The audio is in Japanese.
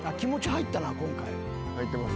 入ってます。